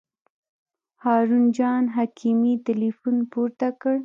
هارون جان حکیمي تیلفون پورته کړ.